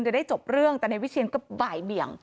จะได้จบเรื่องแต่นายวิเชียนก็บ่ายเบี่ยง